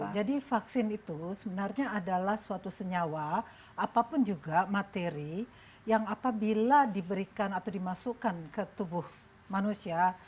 jadi vaksin itu sebenarnya adalah suatu senyawa apapun juga materi yang apabila diberikan atau dimasukkan ke tubuh manusia